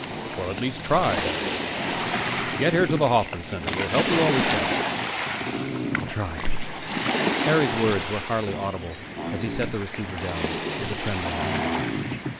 "Well, at least try, Harry. Get here to the Hoffman Center. We'll help you all we can." "I'll try." Harry's words were hardly audible as he set the receiver down with a trembling hand.